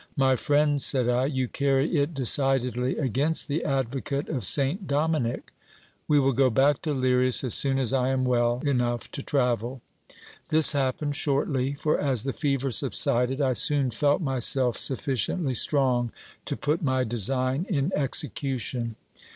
My friend, said I, you carry it decidedly against the advocate of Saint Dominic. We will go back to Lirias as soon as I am well enough to travel. This happened shortly; for as the fever subsided, I soon felt myself sufficiently strong to put my design in execution.